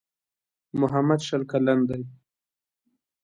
محمد شل کلن دی.